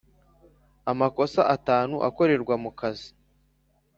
amakosa atanu akorerwa mukazi